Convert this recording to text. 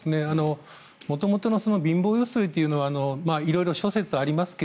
元々の貧乏揺すりというのは色々諸説ありますが。